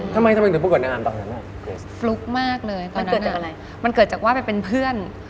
ทำไมเกิดประกวดในงานตอนนั้นน่ะเกิดจากอะไรมันเกิดจากว่าไปเป็นเพื่อน